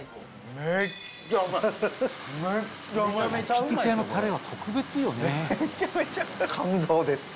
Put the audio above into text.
めっちゃうまいです。